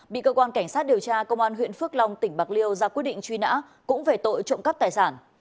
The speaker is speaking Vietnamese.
bị cơ quan cảnh sát điều tra công an huyện phước long tỉnh bạc liêu ra quyết định truy nã cũng về tội trộm cắp tài sản